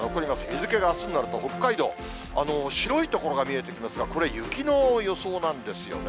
日付があすになると、北海道、白い所が見えてきますが、これ雪の予想なんですよね。